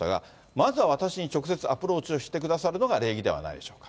まずは私に直接アプローチをしてくださるのが礼儀ではないでしょうか。